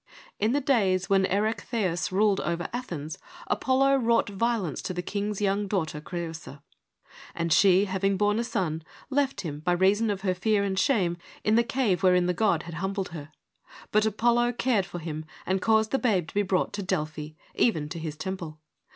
' In the days when Erechtheus ruled over Athens, Apollo wrought violence to the king's young daughter Creusa. And she, having borne a son, left him, by reason of her fear and shame, in the cave wherein the God had humbled her. But Apollo cared for him, and caused the babe to be brought to Delphi, even to his temple.